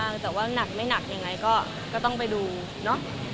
ทักทีมันยังมีดาร์มะหนักเหมือนเดิมไหม